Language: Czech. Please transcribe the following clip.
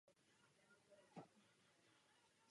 Z jeho povinnosti vyplývají dvě poslání.